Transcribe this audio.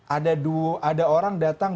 ada orang datang